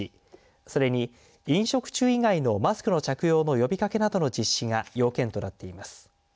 それに飲食中以外のマスクの着用の呼びかけなどの実施が要件となっています。